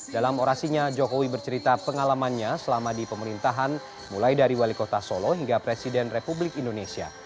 dalam orasinya jokowi bercerita pengalamannya selama di pemerintahan mulai dari wali kota solo hingga presiden republik indonesia